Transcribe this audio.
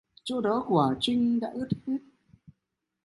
Chỗ đó của trinh đã ướt hết